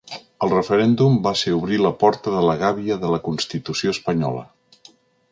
El referèndum va ser obrir la porta de la gàbia de la constitució espanyola.